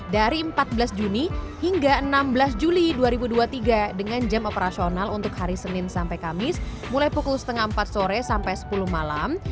dari empat belas juni hingga enam belas juli dua ribu dua puluh tiga dengan jam operasional untuk hari senin sampai kamis mulai pukul setengah empat sore sampai sepuluh malam